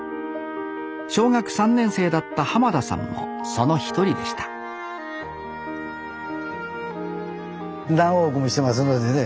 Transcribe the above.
小学３年生だった田さんもその一人でした何往復もしてますのでね